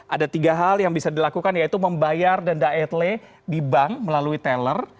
ada tiga hal yang bisa dilakukan yaitu membayar denda atle di bank melalui teller